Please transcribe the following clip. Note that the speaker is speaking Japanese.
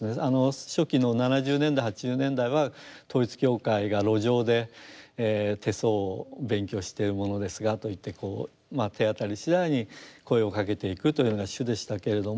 初期の７０年代８０年代は統一教会が路上で「手相を勉強している者ですが」と言って手当たりしだいに声をかけていくというのが主でしたけれども。